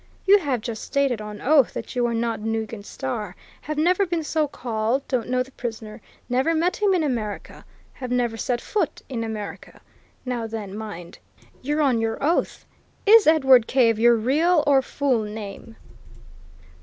"You have just stated, on oath, that you are not Nugent Starr, have never been so called, don't know the prisoner, never met him in America, have never set foot in America! Now, then mind, you're on your oath! is Edward Cave your real or full name?"